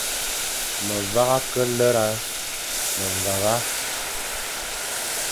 Me vagha ke lera memvegha,